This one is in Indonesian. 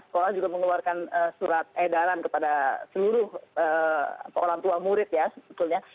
sekolah juga mengeluarkan surat edaran kepada seluruh orang tua murid ya sebetulnya